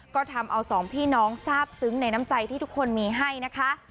ก็ทำเอาสองพี่น้องทราบซึ้งในน้ำใจที่ทุกคนมีให้นะคะ